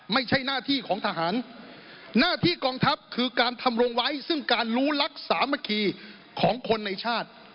ไม่ใช่หน้าที่ของทหารหน้าที่กองทัพคือการทำรงไว้ซึ่งการรู้รักสามัคคีของคนในชาติ